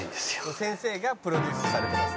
「先生がプロデュースされてます」